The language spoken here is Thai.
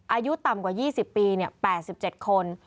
อายุต่ำกว่า๒๐ปี๘๗คน